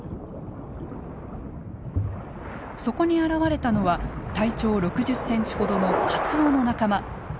そこに現れたのは体長６０センチほどのカツオの仲間。